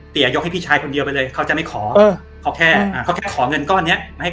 เตี๋ยยกให้พี่ชายคนเดียวไปเลยเค้าจะไม่ขอเค้าแค่ขอเงินก้อนเนี่ย